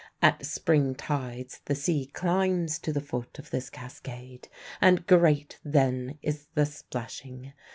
At spring tides the sea climbs to the foot of this cascade, and great then is the splashing.